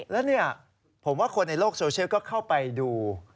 แล้วเนี่ยผมว่าคนในโลกโซเชียลก็เข้าไปดู